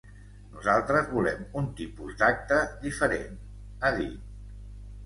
Nosaltres volem un tipus d’acte diferent, ha dit.